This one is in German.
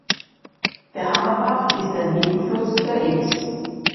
Der Hammerbach ist ein Nebenfluss der Ybbs.